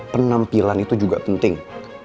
penampilan itu juga penting